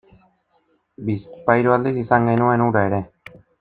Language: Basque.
Bizpahiru aldiz izan genuen hura ere.